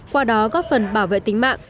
qua đó góp phần bảo vệ tính mạng